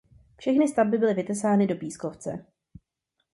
Všechny stavby byly vytesány do pískovce.